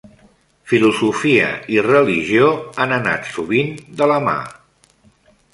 Filosofia i religió han anat sovint de la mà.